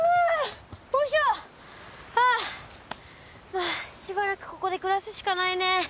はあしばらくここで暮らすしかないね。